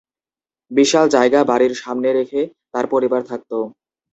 বিশাল জায়গা বাড়ীর সামনে রেখে তার পরিবার থাকতো।